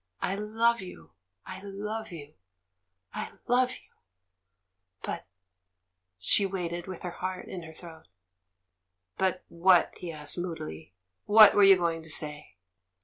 I love you, I love you, I love you! But —" She waited with her heart in her throat. "But what?" he asked, moodily. "What were you going to say?"